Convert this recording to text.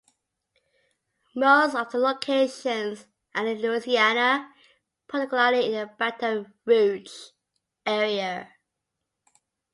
Most of the locations are in Louisiana, particularly in the Baton Rouge area.